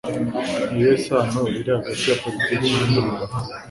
ni irihe sano riri hagati ya politiki n'intambara